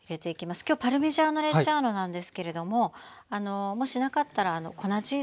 今日パルミジャーノ・レッジャーノなんですけれどももしなかったら粉チーズとかでも。